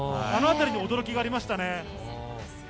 あのあたりに驚きがありましたね。